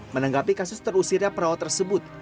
menanggapi kasus terusirnya perawat tersebut